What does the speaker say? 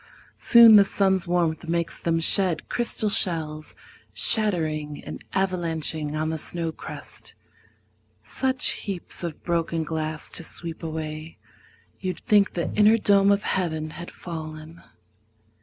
Soon the sun's warmth makes them shed crystal shells Shattering and avalanching on the snow crust Such heaps of broken glass to sweep away You'd think the inner dome of heaven had fallen.